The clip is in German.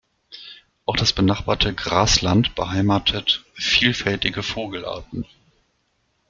Auch das benachbarte Grasland beheimatet vielfältige Vogelarten.